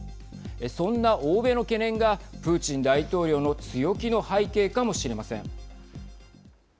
そんな欧米の懸念がプーチン大統領の強気の背景かもしれません。